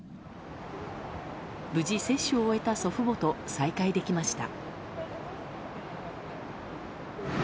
無事、接種を終えた祖父母と再会できました。